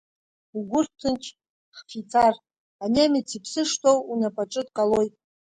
Угәы рҭынч, ҳфицар, анемец иԥсы шҭоу унапаҿы дҟалоит!